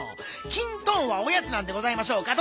きんとんはおやつなんでございましょうか？